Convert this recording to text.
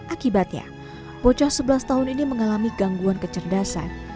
akibatnya bocah sebelas tahun ini mengalami gangguan kecerdasan